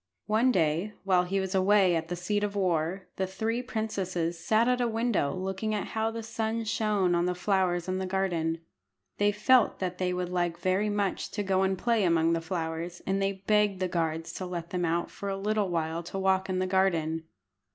One day, while he was away at the seat of war, the three princesses sat at a window looking at how the sun shone on the flowers in the garden. They felt that they would like very much to go and play among the flowers, and they begged the guards to let them out for a little while to walk in the garden.